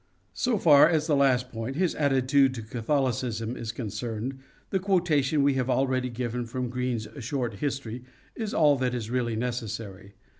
4. So far as the last point , his attitude to Catholicism, is concerned, the quotation we have already given from Green's " Short History " is all that is really necessary.